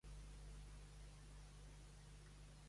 Poc o molt, la humitat ens va envair els llagrimers.